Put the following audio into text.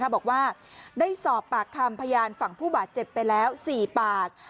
บอกว่าได้สอบปากคำพยานฝั่งผู้บาดเจ็บไปแล้ว๔ปาก